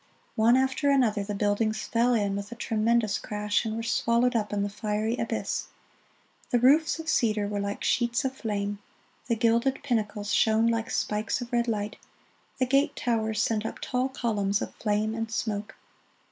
One after another the buildings fell in, with a tremendous crash, and were swallowed up in the fiery abyss. The roofs of cedar were like sheets of flame; the gilded pinnacles shone like spikes of red light; the gate towers sent up tall columns of flame and smoke.